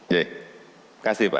terima kasih pak